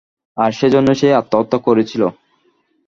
আর সেজন্যই সে আত্মহত্যা করেছিল।